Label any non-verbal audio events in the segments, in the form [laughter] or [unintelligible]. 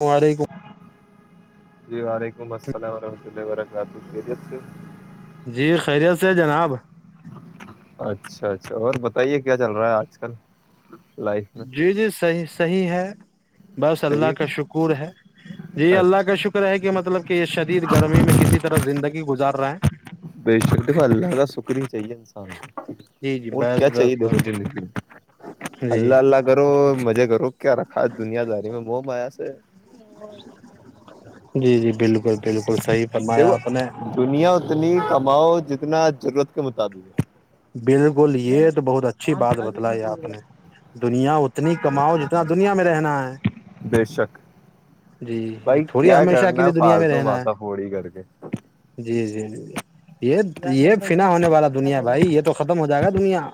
اللام علیکم جی بار ایک بسا اور رہ اد ویر کا تو پیجس جی خیریت سے جناب اچھا اچھا اور بتائیے کیا چل رہا ہے آج کل لائف میں جی جی صحیح صحیح ہے بس اللہ صحیح کا ہے شکر ہے جی اللہ اچھا کا شکر ہے کہ مطلب کہ یہ شدید گرمی میں کسی طرح زندگی گزار ب رہا بے شک د اللہ کا شکرنی چاہیے انسان جی جی اور بس کیا چاہیے بس دیکھو بس زندگی جی اللہ اللہ کرو مزے کرو کیا رکھا دنیاداری میں م مایا سے جی جی بالکل بالکل صحیح فرمایا دیکھو آپ نے دنیا اتنی کماؤ جتنی اتنا ضرورت کے مطابق ہے بالکل یہ تو بہت اچھی بات بتلائی آپ نے دنیا اتنی کماؤ جتنا دنیا میں رہنا ہے بے شک جی تھوڑی ہمیشہ کے لیے دنیا میں پالت رہنا ماتاتا ہے فوڑی کر کے ج یہ یہ فنا ہونے والا دنیا بھائی یہ تو ختم ہو جائے گا دنیا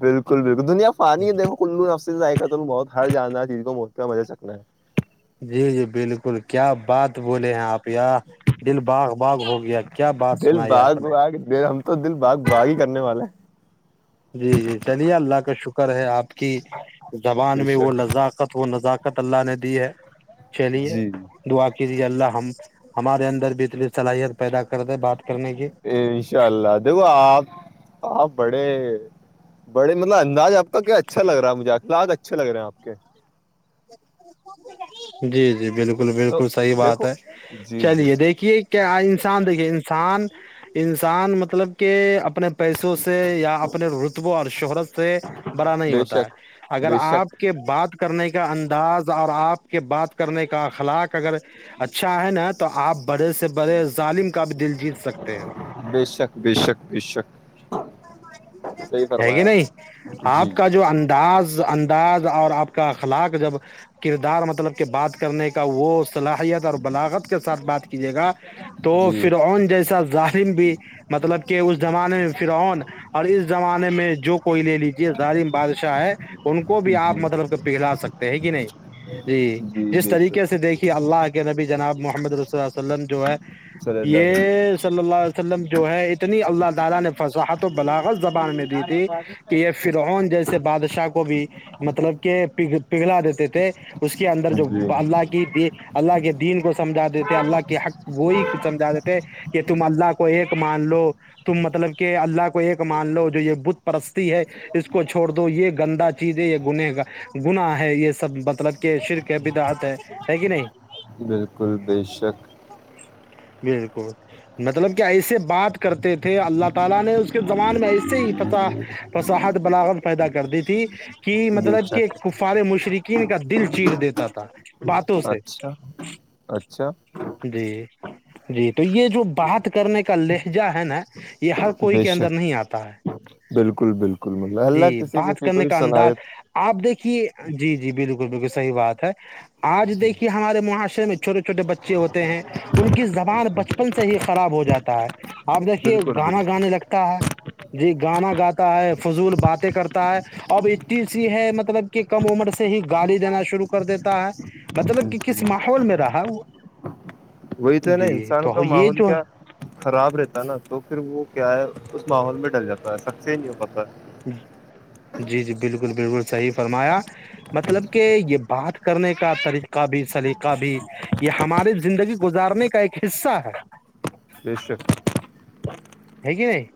بالکل بالکل دنیا پانی ہے دیکھو کلوف سے ائقہ تم بہت ہر جاننا چز موت کا مجہ سکنا ہے جی جی بالکل کیا بات بولے ہیں آپ یار دل باغ باغ ہو گیا کیا بات دل سنائی باگ آپ نے آگ د تو دل باغ باغ ہی کرنے والاے جی جی چلیے اللہ کا شکر ہے آپ کی زبان بے میں وہ شک نزاکت وہ نزاکت اللہ تعالی نے دی ہے چلیے جی دعا کی اللہ ہم ہمارے اندر بہتری اور صلاحیت پیدا کر دے بات کرنے کی انشاء اللہ دیکھو آپ آپ بڑے بڑے مطلب انداز آپ کا کیا اچھا لگ رہا ہے مجھے اخلاق اچھے لگ رہے ہیں آپ کے جی جی بلکل بلکل تو بلکل صحیح بات دیکھو ہے جی جی چلیے دیکھیے کیا انسان دیکھیے انسان انسان مطلب کہ اپنے پیسوں سے یا اپنے رتبے اور شہرت سے بڑا نہیں بے ہوتا ہے شک اگر بے آپ شک کے بات کرنے کا انداز اور آپ کے بات کرنے کا اخلاق اگر اچھا ہے نا تو آپ بڑے سے بڑے ظالم کا بھی دل جیت سکتے ہیں بے شک بے شک بے شک صحیح ہے فرمایا کہ آپ نہیں نے جی آپ کا جو انداز انداز اور آپ کا اخلاق جب کردار مطلب کہ بات کرنے کا وہ صلاحیت اور بلاغت کے ساتھ بات کیجیے گا تو جی فرعون جیسا ظالم بھی مطلب کہ اس زمانے میں فرعون اور اس زمانے میں جو کوئی لے لیجیے ظالم بادشاہ ہے ان کو بھی آپ جی مطلب کہ پلا سکتے ہیں کہ نہیں جی جس بے طریقے شک سے دیکھیے اللہ کے نبی جناب محمد صلی اللہ علیہ وسلمم جو ہے صلی اللہ علیہ یہ صلی اللہ علیہ وسلم وسلم جو ہے اتنی اللہ تعالی نے فصاحت و بلاغت زبان میں دی تھی وسلم۔ کہ یہ فرعون جیسے بادشاہ کو بھی مطلب پگھلا دیتے تھے اس کے اندر جو جی اللہ کی اللہ کے دین کو سمجھا دیتے اللہ کے حق گوئی کو سمجھا دیتے کہ تم اللہ کو ایک مان لو تم مطلب کہ اللہ کو ایک مان لو جو یہ بت پرستی ہے اس کو چھوڑ دو یہ گندہ چیز ہے یہ گنہگار گنا ہے یہ سب مطلب کہ شرک ہے بدعت ہے ہے کہ نہیں بلکل بے شک بلکل مطلب کہ ایسے بات کرتے تھے اللہ تعالی نے اس کے زبان میں ایسے ہی فساحت بلاوت پیدا کر دی تھی کہ بے مطلب کے شک کفارے مشرقی قین کا دل چیر دیتا تھا باتوں سے اچھا اچھا جی جی تو یہ جو بات کرنے کا لہجہ ہے نا یہ ہر کوئی بے کے اندر شک نہیں آتا ہے بالکل بالکل مطلب اللہ جی کسی بات کسی کو کرنے ہی کا انداز صلاحیت آپ دیکھیے جی جی بالکل بالکل صحیح بات ہے آج جی دیکھیے ہمارے معاشرے میں چھوٹے چھوٹے بچے ہوتے ہیں ان کی زبان بچپن سے ہی خراب ہو جاتا ہے آپ دیکھیے بالکل گانا بالکل گانے لگتا ہے جی گانا گاتا ہے فضول باتیں کرتا ہے اب ا ہے مطلب کہ کم عمر سے ہی گالی دینا شروع کر دیتا ہے مطلب کہ جی کس ماحول میں رہا وہی تو نا جی انسان تو کا یہ ماحول جو کیا خراب رہتا نا تو پھر وہ کیا ہے اس ماحول میں ڈل جاتا ہے سک سے ہی نہیں ہو پاتا ہے جی جی بالکل بالکل صحیح فرمایا ہے مطلب جی کہ یہ بات کرنے کا طریقہ بھی سلیقہ بھی یہ ہماری زندگی گزارنے کا ایک حصہ ہے بے شک ہے کہ نہیں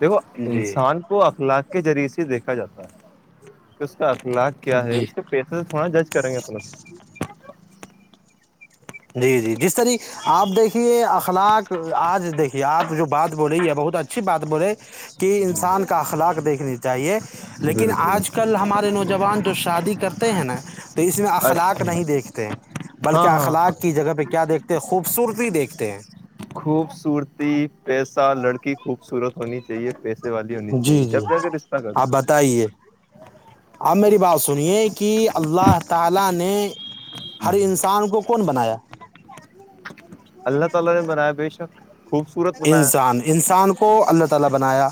دیکھو جی انسان کو اخلاق کے ذریعے سے دیکھا جاتا ہے کہ اس کا اخلاق کیا ہے جی اس کے پیسے سے تھوڑا جج کریں گے اپنا جی جی جس طریح آپ دیکھیے اخلاق آج دیکھیے آپ جو بات بولے بہت اچھی بات بولے کہ جی انسان کا اخلاق دیکھنی چاہیے لیکن بالکل آج کل ہمارے نوجوان جو شادی کرتے ہیں نا اس میں اخلاق اچھا نہیں دیکھتے بلکہ ہاں ہاں اخلاق جگہ پہ کیا دیکھتے ہیں خوبصورتی دیکھتے ہیں خوبصورتی پیسہ لڑکی خوبصورت بنی تھی چاہیے پیسے والی ہونی چاہیے جی جی جب جا کے رشتہ کر آپ بتائیے اپ میری بات سنیے کہ اللہ تعالی نے ہر انسان کو کون بنایا اللہ تعالی نے بنایا بے شک خوبصورت بنایا انسان انسان کو اللہ تعالی بنایا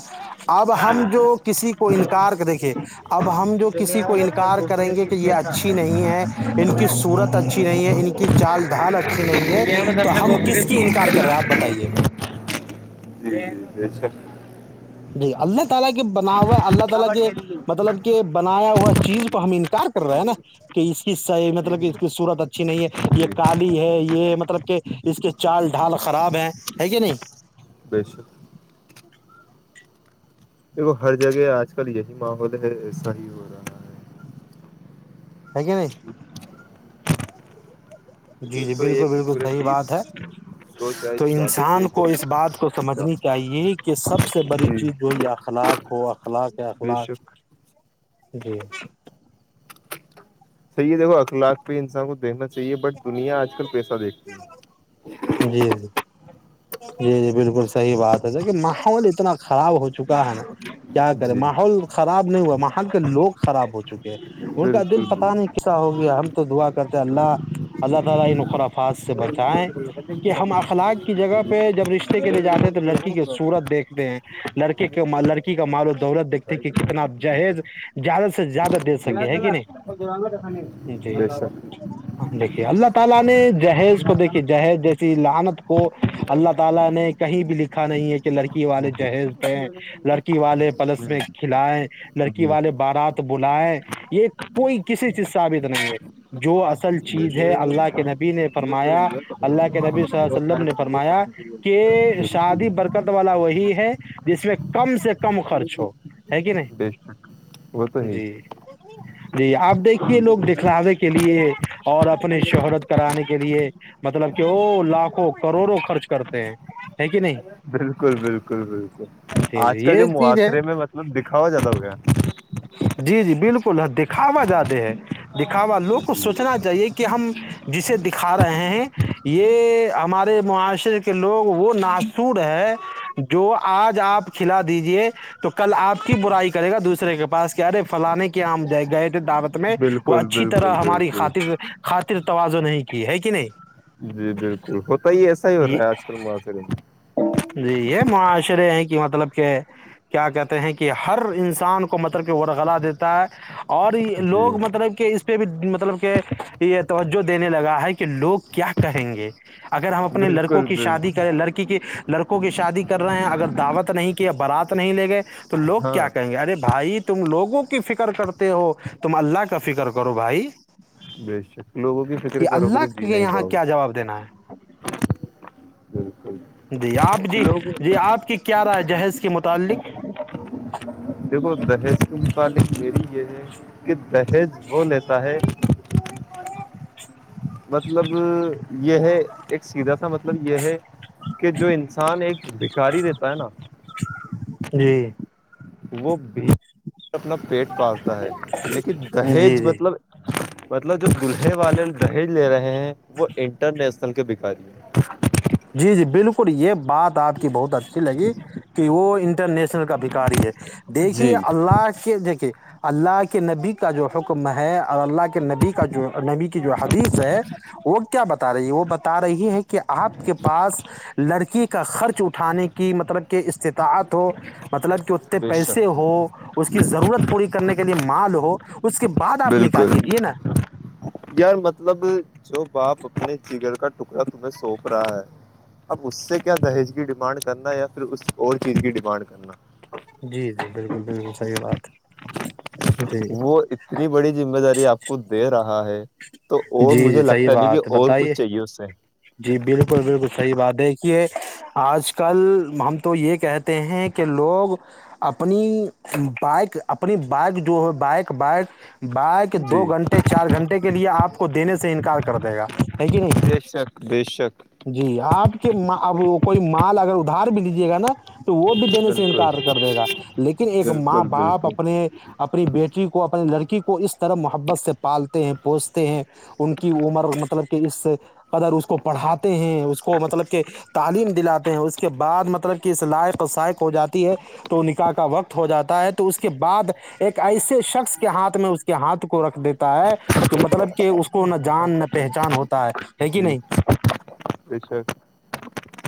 اب ہم جو کسی کو انکار کر دیکھے اب ہم کسی دنیا کو میں سب سے انکار کریں خوبصورت گے کہ چیز یہ پیسہ اچھی نہیں ہے ان کی سورت اچھی نہیں ہے ان کی چال ڈھال اچھی نہیں ہے دنیا میں سب تو سے ہم کس خوبصورت کی انکار کر رہے ہیں آپ چیز بتائیے جی ج جیھا جی اللہ تعالا کی بناوت بابا شریف ہوا چیز کو ہم انکار کر رہے ہے نا کہ اس قصہ ہے مطلب جی اس کی سورت اچھی نہیں ہے یہ کالی ہے یہ مطلب کہ اس کے چال ڈھال خراب ہے ہے کیا نہیں بےشخ [inaudible] دیکھو ہر جگہ آج کل یہی ماحول ہے صحیح ہو رہا ہے ہگین جی جی ایک تو یہ بالکل بالکل کرکرے صحیح بات بیس ہے دو چائے تو چالیس انسان ایک کو بوتل اس بات کو سمجھنی پچاس چاہیے کہ کہ سب سے بڑی جی چیز جو یہ اخلاق ہو اخلاق ایکھ بے لاکھ شک جی صحیح دیکھو اخلاق پہ انسان کو دنا چاہیے بٹ دنیا آج کل پیسہ دیکھتی ہیں جی جی جی جی بالکل صحیح بات ہے س کہ ماحول اتنا خراب ہو چکا ہے نا کیا کرے جی ماحول خراب خراب نہیں ہوا وہاں کے لوگ خراب ہو چکے بالکل [unintelligible] ف سے بالکل بتائیں کہ ہم اخلاق کی جگہ پہ جب رشتے کے لیے جاتے ہیں تو لڑکی کے سورت دیکھتے ہیں لڑکے کے لڑکی کا ملوم دولت دیکتے ہیں کہ کتنا جہیز زیادہ سے زیادہ دے ن سکے ہے جو کہ نہیں جی [unintelligible] جی بے شک [unintelligible] ربی صلی وسلم نے فرمایا جی ب خدا کہ شادی برکت والا وہی ہے جس میں کم سے کم خرچ ہو ہے کہ بے شک وہ تو نہیں ہے ہی جی جی آپ دیکھیے لوگ دکھلاوے کے لیے اور اپنی شہرت کرانے کے لیے مطلب کہ وہ لاکھوں کروڑوں خرچ کرتے ہیں ہے کہ نہیں بالکل بالکل بالکل جی آج جی کل جو یہ چیز ہے معاشرے میں مطلب دکھا ہوا جدا ہو گیا جی جی بالکل ہے دکھاوا زیادہ ہے دکھاوا لوگ کو ہے۔ سوچنا چاہیے کہ ہم جسے دکھا رہے ہیں یہ ہمارے معاشرے لوگ وہ ناسور ہے جو آج آپ کھلا دیجیے تو کل آپ کی برائی کرے گا دوسرے کے پاس کیاارے فلانے کے آم جائے گئے تھے دعوت میں وہ بالکل اچھی بالکل طرح ہماری بالکل خاطر خاطر تواز نہیں کی ہے ک نہیں جی بالکل ہوتا ہی ایسا ہی ہو یہ رہا ہے آج سرم سر جی یہ معاشرے ہیں کہ مطلب کہ کیا کہتے ہیں کہ ہر انسان کو مطلب کہ ورغلا دیتا ہے اور جی لوگ مطلب کہ اس پہ بھی مطلب کہ یہ توجہ دینے لگا ہے کہ لوگ کیا کہیں گے اگر ہم اپنے لڑک بالکل شادی بالکل کریں لڑکی کے لڑکوں کی شادی کر رہے ہیں اگر دعوت نہیں کہ برات نہیں لے گئے تو تو لوگ کیا ہاں کہیں گے ارے بھائی تم لوگوں کی فکر کرتے ہو تم اللہ کا فکر کرو بھائی بے شک لوگوں کی فکر کہ کرو گے اللہ تو جین کے نہا ہی یہاں پاؤ گے کیا جواب دینا ہے بالکل جی آپ جی لوگ جی آپ کی کیا رائے جہیز کے متعلق دیکھو دہج کے متعلق میری یہ ہے کہ پحیض وہ لیتا ہے مطلب یہ ہے ایک سیدھا سا مطلب یہ ہے کہ جو انسان ایک بھکاری رہتا ہے نا ای وہ بھی اپنا پیٹ پالتا ہے لیکن جی دہیج جی مطلب مطلب جو دولہے والے دہیج لے رہے ہیں وہ انٹرنییشنل کے بھکاری ہیں جی جی بالکل یہ بات آپ کی بہت اچھی لگی کہ وہ انٹرنیشنل کا بھیکاری ہے دیکھی جی اللہ کے د کہ اللہ کے نبی کا جو حکم ہے اور اللہ کے نبی کا جو نبی کی جو حدیث ہے وہ کیا بتا رہی ہے وہ بتا رہی ہے کہ آپ کے پاس لڑکی کا خرچ اٹھانے کی مطلب کہ استطاعت ہو مطلب کہ اتتے بے پیسے شک ہو اس کی ضرورت پوری کرنے کے لیے مال ہو اس کے بعد آپ نکاح بالکل کیجیے نا یار مطلب جو باپ اپنے جگر کا ٹکڑا تمہیں سوپ رہا ہے اب اس سے کیا دہیج کی ڈیمانڈ کرنا یا پھر اس اور چیز کی ڈیمانڈ کرنا جی جی بالکل بالکل صحیح بات جی وہ اتنی بڑی ذمہ داری آپ کو دے رہا ہے تو اور جی جی مجھے صحیح لگتا نہیں کہ بات ہے اور بتائیے کچھ چاہیے اس سے جی بالکل بالکل صحیح بات دیکھیے آج کل ہم تو یہ کہتے ہیں کہ لوگ اپنی بائک اپنی بائک جو ہے بائک بائک بائک دو جی گھنٹے چار گھنٹے کے لیے آپ کو دینے سے انکار کر دے گا ہے کہ نہیں بے شک بے شک جی آپ کے ماں اب کوئی مال اگر ادھار بھی دیجیے گا نا تو وہ بھی دینے سے بالکل انکار کر دے گا لیکن ایک ماں بالکل باپ بالکل اپنے اپنی بیٹی لکی کو اپنے لڑکی کو اس طرح محبت سے پالتے ہیں پوس ہیں ان کی عمر مطلب کہ اس قدر اس کو پڑھاتے ہیں اس کو مطلب کہ تعلیم دلاتے ہیں اس کے بعد مطلب کہ اس لائق و سائق ہو جاتی ہے تو نکاح کا وقت ہو جاتا ہے تو اس کے بعد ایک ایسے شخص کے ہاتھ میں اس کے ہاتھ کو رکھ دیتا ہے کہ کہ مطلب کہ اس کو نہ جان نہ پہچان ہوتا ہے ہے کہ نہیں ایھا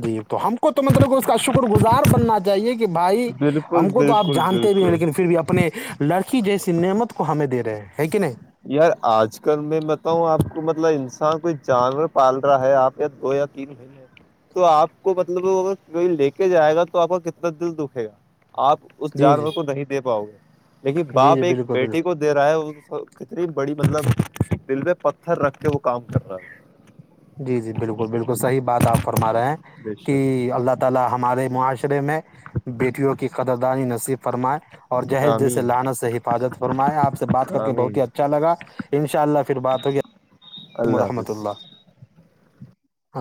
جی تو ہم کو تو مطلب اس کا شکر گزار بننا چاہیے کہ بھائی بالکل ہم کو تو آپ بالکل جانتے بھی نہیں بالکل لیکن پھر بھی اپنے لڑکی جیسی نعمت کو ہمیں دے رہے ہیں کہ نہیں یار آج کل میں بتاؤں آپ کو مطلب انسان کوئی جانور پال رہا ہے آپ یا دو یا تین مہینے تو آپ کو مطلب ا کوئی لے کے جائے گا تو آپ کو کتنا دل دکھے گا آپ اس جی جی جانور کو نہیں دے پاؤ گے دیکھیے جی جی باپ ایک بالکل بیٹی کو بالکل دے رہا ہے بڑی مطلب دل میں پتھر رکھ کے وہ کام کر رہا ہے جی جی بالکل بالکل صحیح بات آپ فرما رہے ہیں بے کہ شک اللہ تعالیہ ہمارے معاشرے میں بیٹیوں کی قدردانی نصیب فرمائے اور جہیز جیسے آمین لانت سے حفاظت فرماائے آپ سے بات کر کے آمین بہت ہی اچھا لگا ان شاء اللہ پھر بات ہو گیا اللہ حافظ